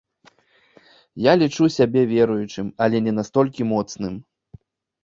Я лічу сябе веруючым, але не настолькі моцным.